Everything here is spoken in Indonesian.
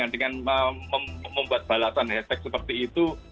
dengan membuat balasan hashtag seperti itu